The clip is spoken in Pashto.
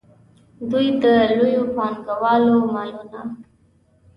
دوی د لویو پانګوالو مالونه.